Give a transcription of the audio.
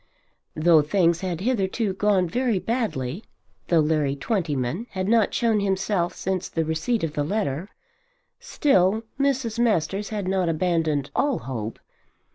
Though things had hitherto gone very badly, though Larry Twentyman had not shown himself since the receipt of the letter, still Mrs. Masters had not abandoned all hope.